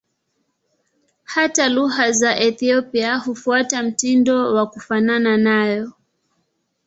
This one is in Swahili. Hata lugha za Ethiopia hufuata mtindo wa kufanana nayo.